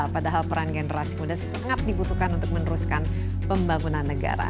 padahal peran generasi muda sangat dibutuhkan untuk meneruskan pembangunan negara